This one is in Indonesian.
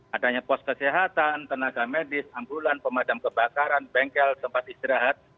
adanya pos kesehatan tenaga medis ambulan pemadam kebakaran bengkel tempat istirahat